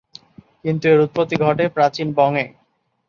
কিন্তু এর উৎপত্তি ঘটে প্রাচীন বঙে।